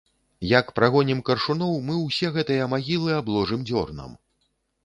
Як прагонім каршуноў, мы ўсе гэтыя магілы абложым дзёрнам.